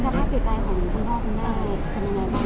สภาพจิตใจของคุณพ่อคุณแม่เป็นยังไงบ้าง